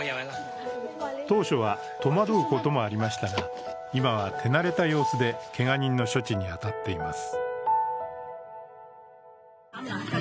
当初は戸惑うこともありましたが、今は手慣れた様子で、けが人の処置に当たっています。